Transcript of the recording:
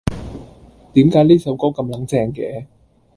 點解呢首歌咁撚正嘅？